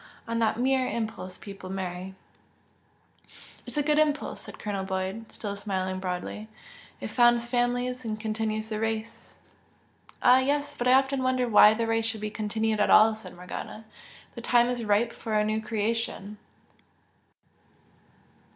On that mere impulse people marry." "It's a good impulse" said Colonel Boyd, still smiling broadly "It founds families and continues the race!" "Ah, yes! But I often wonder why the race should be continued at all!" said Morgana "The time is ripe for a new creation!"